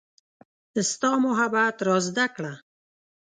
ستا محبت را زده کړه